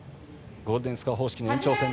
ゴールデンスコア方式の延長戦。